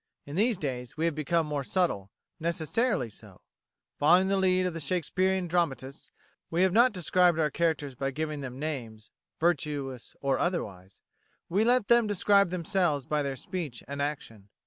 In these days we have become more subtle necessarily so. Following the lead of the Shakespearean dramatists, we have not described our characters by giving them names virtuous or otherwise we let them describe themselves by their speech and action.